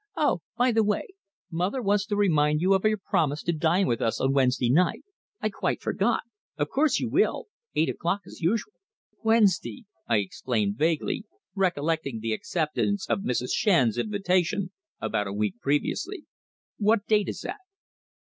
Oh! by the way, mother wants to remind you of your promise to dine with us on Wednesday night. I quite forgot. Of course you will eight o'clock as usual." "Wednesday!" I exclaimed vaguely, recollecting the acceptance of Mrs. Shand's invitation about a week previously. "What date is that?"